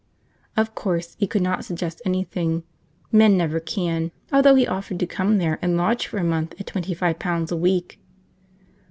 Of course he could not suggest anything: men never can; although he offered to come there and lodge for a month at twenty five pounds a week.